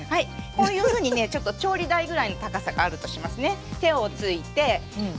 こういうふうにねちょっと調理台ぐらいの高さがあるとしますね。